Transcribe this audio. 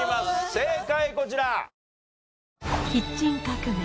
正解こちら。